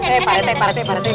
eh pak rete pak rete pak rete